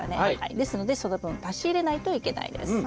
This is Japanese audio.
ですのでその分足し入れないといけないです。